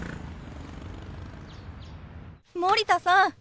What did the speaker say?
森田さん